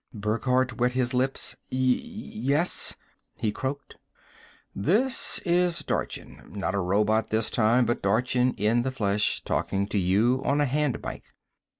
Burckhardt wet his lips. "Y yes?" he croaked. "This is Dorchin. Not a robot this time, but Dorchin in the flesh, talking to you on a hand mike.